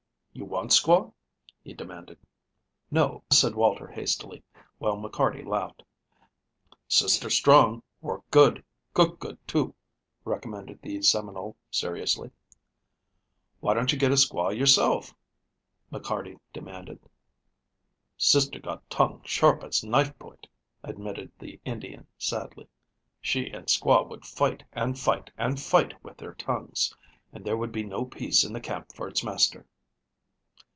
"You want squaw?" he demanded. "No," said Walter hastily, while McCarty laughed. "Sister strong, work good, cook good, too," recommended the Seminole seriously. "Why don't you get a squaw yourself?" McCarty demanded. "Sister got tongue sharp as knife point," admitted the Indian sadly. "She and squaw would fight and fight and fight with their tongues, and there would be no peace in the camp for its master."